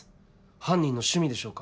犯人の趣味でしょうか。